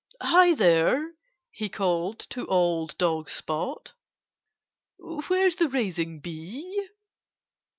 "Hi, there!" he called to old dog Spot. "Where's the raising bee?"